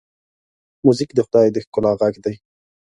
موزیک د خدای د ښکلا غږ دی.